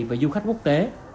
và du khách quốc tế